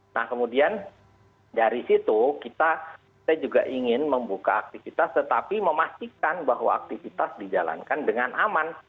nah kemudian dari situ kita juga ingin membuka aktivitas tetapi memastikan bahwa aktivitas dijalankan dengan aman